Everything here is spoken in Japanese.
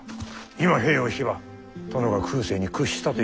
今兵を引けば殿が空誓に屈したということになる。